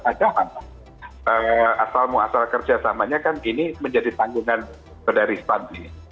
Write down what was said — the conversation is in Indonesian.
ajaan asal muasal kerja selamanya kan ini menjadi tanggungan dari stand